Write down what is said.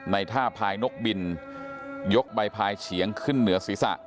ท่าพายนกบินยกใบพายเฉียงขึ้นเหนือศีรษะ